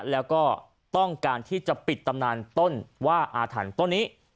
แล้วก็ต้องการที่จะปิดตำนานต้นว่าอาถรรพ์ต้นนี้